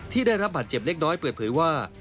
ที่ได้รับบัตรเจ็บเล็กน้อยเปลือเผยว่า